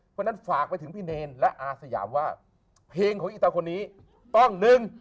เพราะฉะนั้นฝากไปถึงพี่เนรและอาสยามว่าเพลงของอีตาคนนี้ต้องหนึ่ง